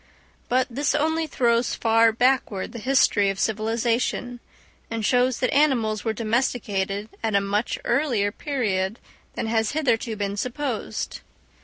But this only throws far backward the history of civilisation, and shows that animals were domesticated at a much earlier period than has hitherto been supposed.